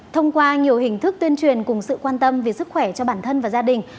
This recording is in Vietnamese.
thông qua nhiều hình thức tuyên truyền cùng sự quan tâm về sức khỏe cho bản thân và gia đình